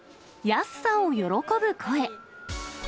安さを喜ぶ声。